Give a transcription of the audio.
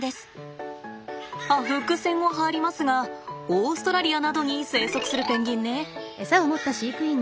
あ伏線を張りますがオーストラリアなどに生息するペンギンね。